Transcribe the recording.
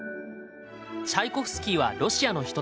チャイコフスキーはロシアの人だ。